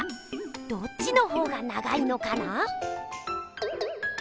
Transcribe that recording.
どっちの方が長いのかな？